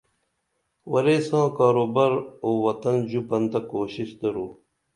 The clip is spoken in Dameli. ورے ساں کاروبار او وطن ژُپن تہ کوشش درو